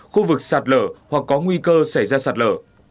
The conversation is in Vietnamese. khu vực sạt lở hoặc có nguy cơ xảy ra sạt lở